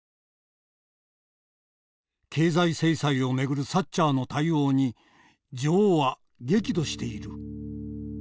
「経済制裁を巡るサッチャーの対応に女王は激怒している」。